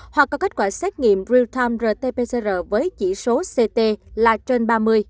hoặc có kết quả xét nghiệm real time rt pcr với chỉ số ct là trên ba mươi